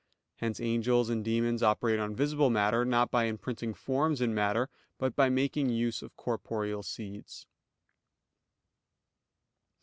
Hence angels and demons operate on visible matter; not by imprinting forms in matter, but by making use of corporeal seeds.